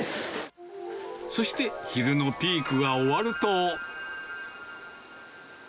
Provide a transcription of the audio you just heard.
そして、昼のピークが終わると。